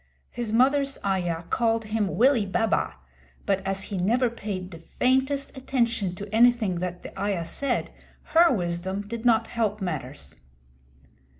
His mother's ayah called him Willie Baba, but as he never paid the faintest attention to anything that the ayah said, her wisdom did not help matters.